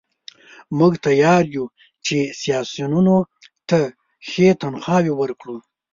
موږ تیار یو چې سیاسیونو ته ښې تنخواوې ورکړو.